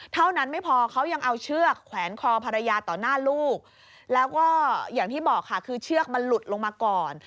เท่านั้นไม่พอเขายังเอาเชือกแขวนคอภรรยาต่อหน้าลูกแล้วก็อย่างที่บอกค่ะคือเชือกมันหลุดลงมาก่อน